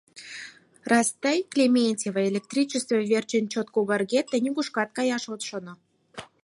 Раз тый, Клементьева, электричество верч эн чот когаргет — тый нигушкат каяш от шоно!